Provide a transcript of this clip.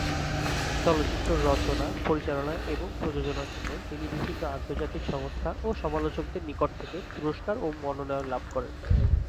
চলচ্চিত্র রচনা, পরিচালনা এবং প্রযোজনার জন্য তিনি বিভিন্ন আন্তর্জাতিক সংস্থা ও সমালোচকদের নিকট থেকে পুরস্কার ও মনোনয়ন লাভ করেন।